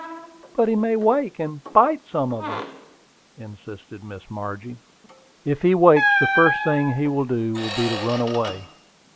"But he may wake, and bite some of us," insisted Miss Margie. "If he wakes, the first thing he will do will be to run away.